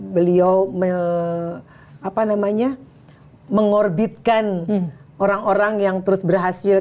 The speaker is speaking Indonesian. beliau mengorbitkan orang orang yang terus berhasil